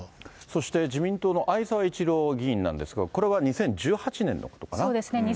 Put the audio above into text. そして自民党の逢沢一郎議員なんですけど、これは２０１８年そうですね。